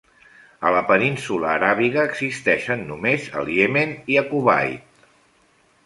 A la península Aràbiga existeixen només al Iemen i a Kuwait.